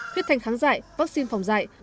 huyết thanh kháng dạy vaccine phòng dạy